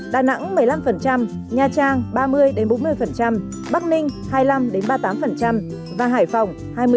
đà nẵng một mươi năm nha trang ba mươi bốn mươi bắc ninh hai mươi năm ba mươi tám và hải phòng hai mươi năm